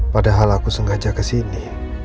padahal aku sengaja kesini